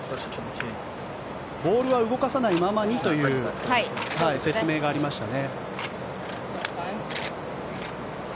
ボールは動かさないままにという説明がありましたね。